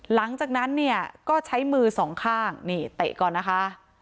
หลังจากนั้นเนี่ยก็ใช้มือสองข้างนี่เตะก่อนนะคะ